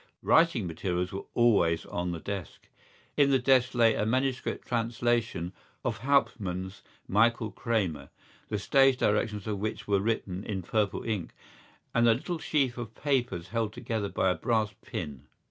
Writing materials were always on the desk. In the desk lay a manuscript translation of Hauptmann's Michael Kramer, the stage directions of which were written in purple ink, and a little sheaf of papers held together by a brass pin.